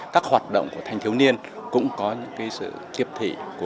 các hoạt động của thanh thiếu niên cũng có sự tiếp thị